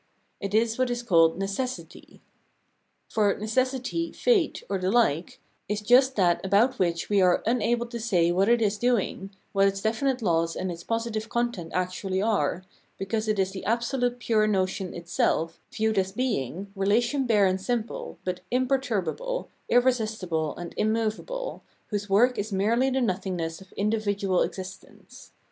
It is what is called Necessity. For Necessity, Fate, or the like, is just that about which we are unable to say what it is doing, what its definite laws and its positive content actually are, because it is the absolute pure notion itself, viewed as being, relation bare and simple, but im perturbable, irresistible, and immovable, whose work is merely the nothingness of individual existence.